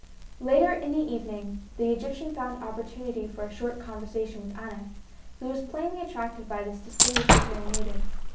Later in the evening the Egyptian found opportunity for a short conversation with Aneth, who was plainly attracted by this distinguished appearing native.